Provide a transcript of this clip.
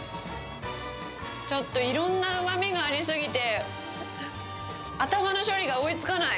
ちょっといろんなうまみがありすぎて、頭の処理が追いつかない。